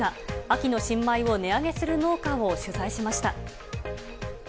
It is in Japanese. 秋の新米を値上げする農家を取材しました。